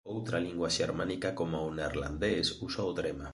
Outra lingua xermánica coma o neerlandés usa o trema.